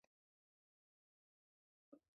তুই একদিন সত্যি হিরো হবি।